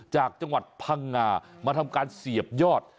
จากจังหวัดพังงามาทำการเสียบยอด